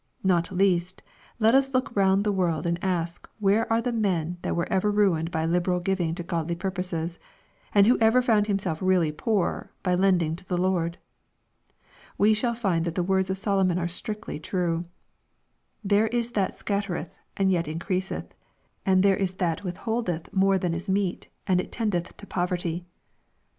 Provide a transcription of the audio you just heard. — Not least, let us look round the world and ask where are the men that were ever ruined by liberal giving to godly purposes, and who ever found himself really poorer by lending to the Lord ? We shall find that the words of Solomon are strictly true :" There is that scattereth and yet increaseth : and there is that withholdeth more than is meet, and it tendeth to poverty." (Prov.